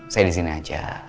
saya di sini aja